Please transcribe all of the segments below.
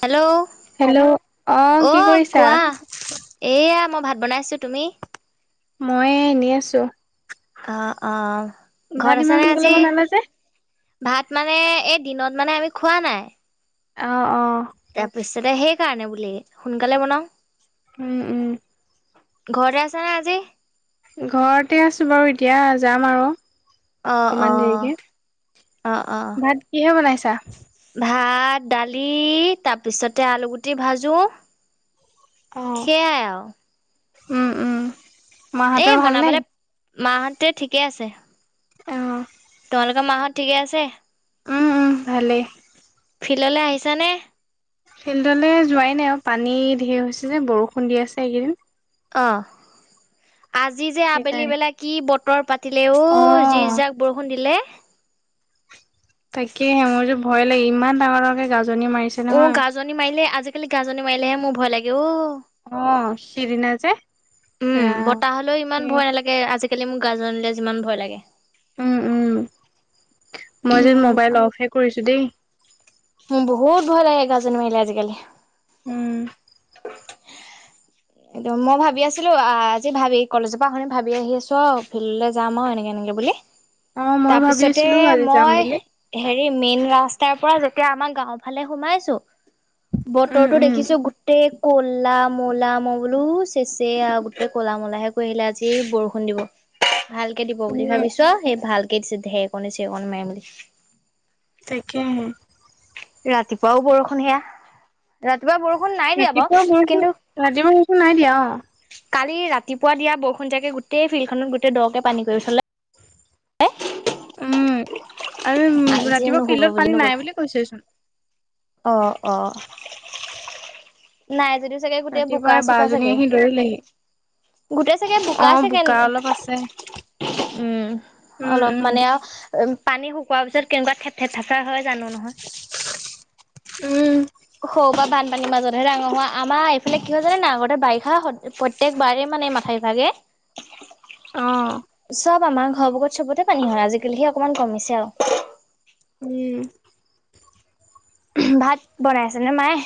Hello hello অ অ কি কৰিছা কোৱা? এয়া মই ভাত বনাইছো। তুমি? মই এনেই আছো। অহ অ ভাত ঘৰত ইমান আছানে সোনকালে আজি? বনালা যে ভাত মানে এই দিনত মানে আমি খোৱা নাই। অ অ। তাৰপিছতে সেই। সেই কাৰণে বোলে সোনকালে বনাও। উম উম। ঘৰতে আছা নে আজি। ঘৰতে আছো বাৰু এতিয়া যাম আৰু। অ' অকমান অ' দেৰিকে, অ' অ' ভাত কিহে বনাইছ? [inaudible] ভাত দালি তাৰপিছতে আলু গুটি ভাজো। সেইয়াই আও। উম-উম। মাহঁতৰ ভাল নে? মাহতে ঠিকে আছে। অ তেওঁলোকৰ মাহত ঠিকে আছে? উম -উম ভালেই। ফিল্ডলে আহিছানে? ফিল্ডলৈ যোৱাই নাই আৰু পানী ঢেৰ হৈছে যে বৰষুণ দি আছে এইকেইদিন। অঁ। আজি যে আবেলি সেইকাৰণে বেলা কি বতৰ পাতিলে অ যিজাক বৰষুণ দিলে। তাকেহে মোৰ যে ভয় লাগে ইমান ডাঙৰ ডাঙৰকে গাজ উ গাজনী মাৰিলে আজি। কালি গাজনি মাৰিলেহে মোৰ ভয় লাগে অ। অ সিদিনাযে উম এয়া। বতাহ হলেও ইমান ভয় নালাগে আজিকালি মোৰ গাজনিলে যিমান ভয় লাগে। উম উম মই যেন মোবাইল অফহে কৰিছো দেই। মোৰ বহুত ভাল লাগে গাজনী মাৰিলে আজিকালি উম এইটো মই ভাবি আছিলো আজি ভাবি কলেজৰ পৰা শুনি ভাবি আহি আছো অ ফিল্ডলৈ যাম অ এনেকে এনেকে বুলি । অ মই ভাবি তাৰপিছতে আছিলো আজি যাম মই বুলি হেৰি মেইন ৰাস্তাৰ পৰা এতিয়া আমাৰ গাওৰ ফালে সোমাইছো। উম বতৰটো উম দেখিছো গোটেই কোলা মলা ম বোলো চেছে আৰু গোটেই ক'লা মলাহে কৈ আহিলে আজি বৰষুণ দিব । ভালকে দিব বুলি উম ভাবিছ সেই ভাল । চে ঢেঁকণি চেকনি মাই মে তাকে ৰাতিপুৱাও বৰষুণ সেয়া ৰাতিপুৱা বৰষুণ নাই দিয়া বাৰু কিন্তু এক নাই দিয়া অ কালি ৰাতিপুৱা দিয়াৰষুণীয়াকে গোটেই ফিল্ডখনত গোটেই দৰকে পানী কৰি থলে । এ উ আৰু আজি ৰাতিপুৱা নুশুব ফিল্ডত পানী নগ'ল। নাই বুলি কৈছেচোন অ অ নাই যদি চাগে গোটেই বোকা ৰাতিপুৱাই চোকা বাজনী চাগে আহি দৌৰিলেহি গোটেই চাগে অ বোকা চাগে অলপ আছে উম উম অলপ উম মানে আৰু উ পানী শুকোৱাৰ পিছত কেনেকুৱা থেপ থাপ হয় জানো নহয় উম স' বা বানপানীৰ মাজতহে ডাঙৰ হোৱা আমাৰ এইফালে কি হয় জানে না আগতে বাৰিষা প্ৰত্যেকবাৰে মানে মাথা বিভাগে আহ আমাৰ ঘৰবোৰত চবতে পানী হয় আজিকালি সে অকনমান কমিছে আৰু । উম ভাত বনাই আছে নে মায়ে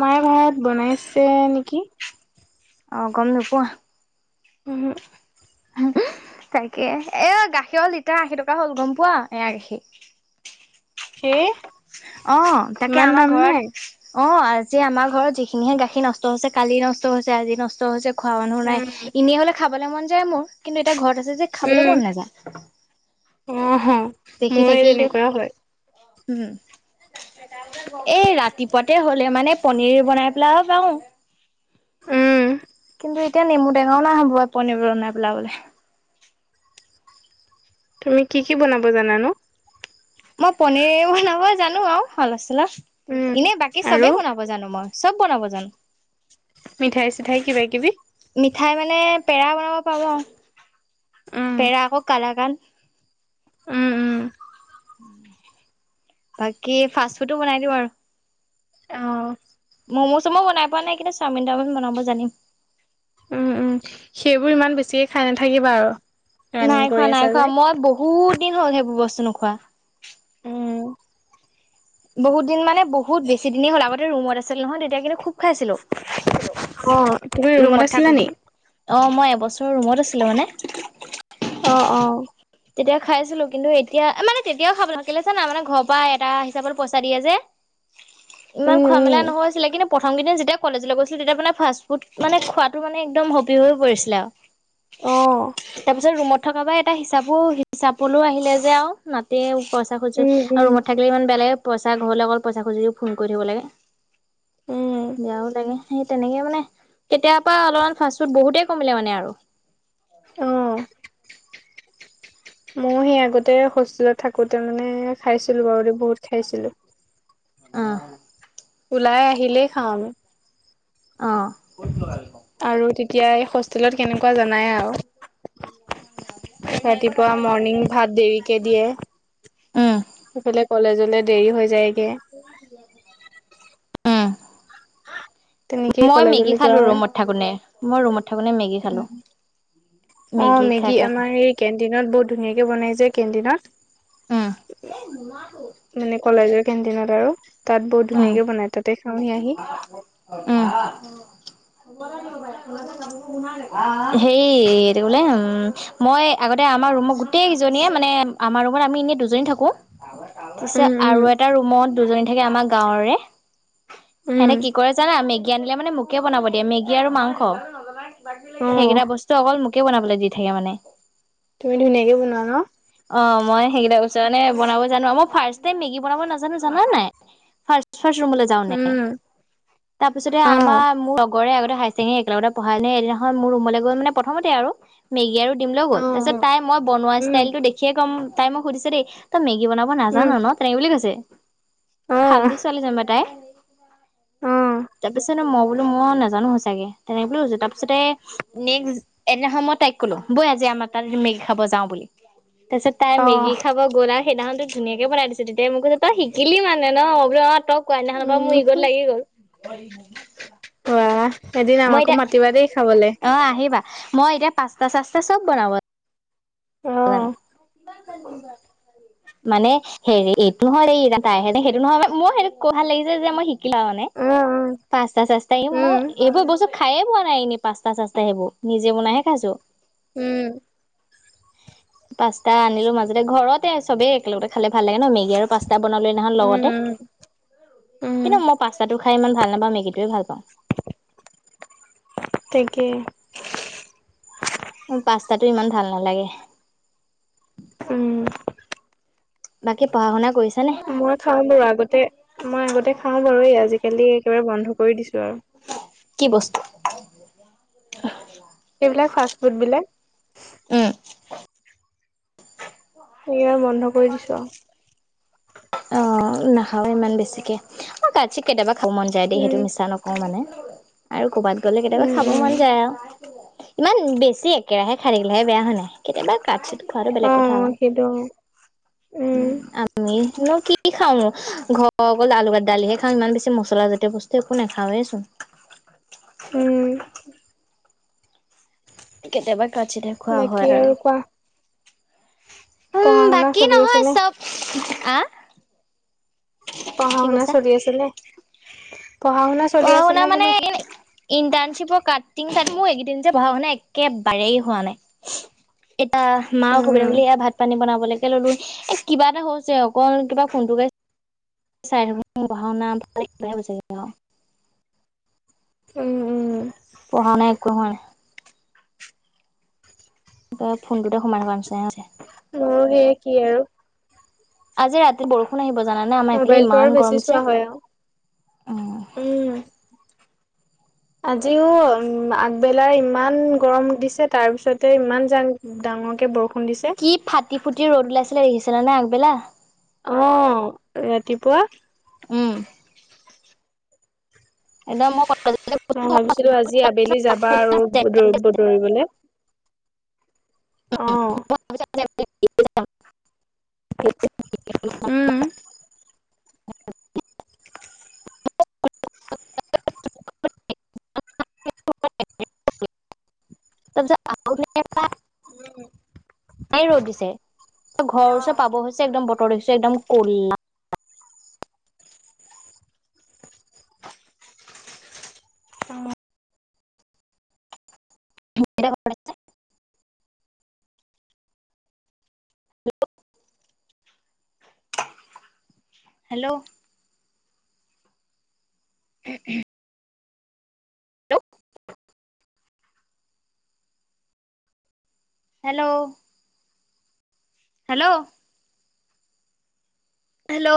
মায়ে ভাত বনাইছে নেকি অ গম নোপোৱা উম তাকে এ গাখীৰৰ লিটাৰ আশী টকা হ'ল গম পোৱা এয়া গাখীৰ । কি অ তাকে আমাৰ ঘৰত অ আজি আমাৰ ঘৰত যিখিনিহে গাখীৰ নষ্ট হৈছে কালি নষ্ট হৈছে আজি নষ্ট হৈছে খোৱা মানুহ নাই উম এনেই হ'লে খাবলৈ মন যায় মোৰ কিন্তু এতিয়া ঘৰত যে খাবলৈ উম মন নযায় অ হ দেখি মোৰো সেই থাকিল দে তেনেকুৱা হয় উম [unintelligible] এই ৰাতিপুৱাতে হ'লে মানে পনিৰ বনাই পেলাইও পাওঁ। উম কিন্তু এতিয়া নেমু ডেঙও নাই হ'ব, পনীৰবোৰ বনাই পেলাবলে। তুমি কি কি বনাব জানানো? ভাল আছে। উম এনে বাকী আৰু চবেই বনাব জানো মই। চব বনাব জানো। মিঠাই চিঠাই কিবা কিবি? মিঠাই মানে পেৰা বনাব পাওঁ আও। পেৰা আকৌ কালাকান উম উম। বাকী ফাষ্ট ফুডো বনাই দিওঁ আৰু। অ। ম'ম' চ'মো বনাই পোৱা নাই কিন্তু চাওমিন টাওমিন বনাব জানিম। উম উম সেইবোৰ ইমান বেছিকে খাই নাথাকিবা আৰু। ৰানিং নাই কৰি খোৱা নাই আছা খোৱা যে। মই বহুত দিন হ'ল সেইবোৰ বস্তু নোখোৱা। বহুত দিন মানে বহুত বেছি দিনে হ'ল আগতে ৰুমত আছিল নহয় তেতিয়া কিন্তু খুব খাইছিলো। অ তুমি ৰুমত আছিলা নি? বছৰৰ ৰুমত আছিলা মানে অ অ। তেতিয়া খাইছিলো। কিন্তু এতিয়া, মানে তেতিয়াও খাবলৈ থাকিলে চানা মানে ঘৰৰ পৰা এটা হিচাপত পইচা দিয়ে যে। ইমান উম খোৱা মেলা উম নহৈছিলে কিন্তু প্ৰথম কেইদিন যেতিয়া কলেজলৈ গৈছিলো, তেতিয়া মানে ফাষ্ট ফুড মানে খোৱাতটো মানে একদম হবি হৈ পৰিছিলে আও। অ [unintelligible] তাৰপিছত ৰুমত থকা পা এটা হিচাপো হিচাপলো আহিলে যে আও নাতে পইচা খোজ উম আৰু উম ৰুমত থাকিলে ইমান বেয়া লাগে পইচা ঘৰলৈ অকল পইচা খুজিও ফোন কৰি থাকিব লাগে। উম বেয়াও লাগে। সেই তেনেকে মানে কেতিয়াৰ পৰা অলপমান ফাষ্ট ফুড বহুতেই কমিলে মানে আৰু। অ [unintelligible] মই সেই আগতে হোষ্টেলত থাকো থাকোঁতে মানে খাইছিলো বাৰু বহুত। খাইছিলোঁ। আহ। ওলাই আহিলেই খাওঁ আমি। অ আৰু তেতিয়া এই হোষ্টেলত কেনেকুৱা জনাই আও। ৰাতিপুৱা মৰ্ণিং ভাত দেৰিকে দিয়ে। উম সফালে কলেজত দেৰি হৈ যায়। ক আহ । তেনেকেই মই মেগি কলেজলৈ যোৱা খালো হয়। ৰুমত থাকোতে মই ৰুমত থাকোতে মেগি খালো। অ খাই মেগী খাই আমাৰ এই কেন্টিনত বহুত ধুনীয়াকে বনাই যে। উম কেণ্টিনত মানে কলেজত। কেণ্টিনত আৰু তাত বহুত উম ধুনীয়াকে বনাই তাতে খাওঁহি আহি। হেই এইটো বোলে উ মই আগতে আমাৰ ৰুমত গোটেই কেইজনীয়ে মানে আমাৰ ৰুমত আমি এনেই দুজনী থাকো পিছে উম আৰু উম এটা ৰুমত দুজনী থাকে আমাক গাঁৱৰে উম সেতে কি কৰে জানা মেগি জ্ঞান দিলে মানে মোকে বনাব দিয়ে মেগী আৰু অ মাংস সেইকেইটা বস্তু অকল মোকে বনাবলৈ দি থাকে মানে। তুমি ধুনীয়াকে বনোৱা ন। অ মই সেইকেইটা কছানে বনাব জানো মই ফাৰ্ষ্ট টাইম মেগী বনাব নাজানো জানা নাই। ফাষ্ট যাও ন উম তাৰপিছতে অ আমাৰ মোৰ লগৰে চেঙে একেলগতে পঢ়াই নে এদিনাখন মোৰ ৰুমলৈ গ'ল মানে প্ৰথমতে আৰু মেগী আৰু দিম ল গ'ল অ তাৰপিছত তাই মই বনোৱা উম ষ্টাইলতটো দেখিয়ে গম তাই মোক সুধিছে দেই তই মেগী কি বনাব উম নাজানো ন তেনে বুলি কৈছে। অ খামদি ছোৱালী যেনিবা তাই। অ তাৰপিছতে মই বোলো মই নাজানো সচাকে তেনেকে বুলিছো তাৰপিছতে নেক্ এদিনাখন মই তাইক কলো বই আজি আমাৰ তাত মেগী খাব যাওঁ বুলি। তচ তাই অ মেগী খাব গোৰা সেইদিনাখন টো ধুনীয়াকে বনাই দিছো তেতিয়া মোক কৈছে তই শিকিলি মানে। ন নব টক কোৱাদিনাখনৰ পৰা মোৰ ঈগত উম লাগি গ'ল। ব অ এদিন আমাকো মাতিবা দেই খাবলৈ। অ আহিবা মই এতিয়া পাস্তা চাস্তা চব বনাব। অ জানো। মানে হেৰি এইটো হয় দ তাইহেতে সেইটো নহয় মই সেই ক ভাল লাগিছে যে মই শ ল মানে উম পাঁচতা চাস্তা উম মই এইবোৰ বস্তু খাই পোৱা নাই এনে পাঁচটা চাছটা সেইবোৰ নিজে বনাইহে খাইছো। উম পাস্তা আনিলো মাজতে ঘৰতে চবেই একেলগতে খালে ভাল লাগে ন মেগ মেগ আৰু পাস্তা বনাল নহল উম লগতে, উম উম কিন্তু মই পাস্তাটো খাই ইমান ভাল নাপাওঁ মেগী য়ে ভাল পাওঁ একে অ পাস্তাটো ইমান ভাল নালাগে উম বাকী পঢ়া শুনা কৰিছে মই খাও বাৰু আগতে মই আগতে খাওঁ বাৰু এই আজি আজিকালি একেবাৰে বন্ধ কৰি দিছো আৰু কি বস্তু আহ ফ ফুড বিলাক উম সেই মন নক দিছো নাখাও ইমান বেছিকে অ কাতচিত কেইটাবা খাব মন যায় দেইটো উম মছা নকওঁ মানে আৰু ক'ৰবাত গ'লে কেতিয়াবা উম খাব উম মন যায় আৰু ইমান বেছি একেৰাহে খানিলেহে বেয়া হ নাই কেতিয়াবা কাট খোৱা আৰু অ বেলেগ কথা সেইটো উম আমি কি খাওঁ ঘৰৰ অকল আলুত দালিহে খাওঁ ইমান বেছি মচলাজাতীয় বস্তু একো নাখাওৱে চোন উম কেতেবা কচিৰে খোৱা বাকী হয় আৰু কোৱা উম পঢ়া শুনা বাকী চলি আছে নহয় নে চব আহ পঢ়া কি শুনা কৈছা? চলি আছে নে উ পঢ়া শুনা অ মানে ইট কাটি তাটি মোৰ এইকেইদিন যে পঢ়া শুনা ম নে একেবাৰেই হোৱা নাই এতিয়া মা অসুবিধা উম বুলি এয়া ভাত পানী বনাব লাগে ললো এ কিবা এটা হৈছে অক কিবা ফোনটো গাইছে চাই থাকো পঢ়া শুনা ভাল উম উম পঢ়া শুনা একো এ হোৱা নাই ত ফোনটোতে সোমাই থকাৰ নিচিনা হৈছে। মোৰ সেয় কি আৰু আজি ৰাতি বৰষুণ আহিব। জানানে আমাৰ এইফালে মোবাইলটো ইমান আৰু গৰম বেছি দিছে চোৱা হয় আৰু উম উম আজিওম আগবেলাৰ ইমান গৰম দিছে তাৰ পিছতে ইমান ডাঙৰকে বৰষুণ । কি ফাটি ফুটি ৰ'দ উলাইছিলে দেখিছিল নে আগবেলা । অ ৰাতিপুৱা উম এ মই কলে মই ভাবিছিলো আজি আবেলি যাব। বা আৰু ধৰিবলে [inaudible] [inaudible] উম ত য প ৰ'দ দিছে ঘৰৰ ওচৰত পাব হৈছে একদম বতৰ দেখিছ একদম কলা অ', [inaudible] হেল্ল' উ হেল্ল' হেল্ল' হেল্ল'